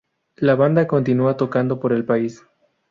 La banda continua tocando por el país.